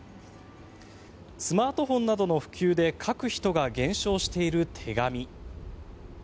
スマートフォンなどの普及で書く人が減少している手紙。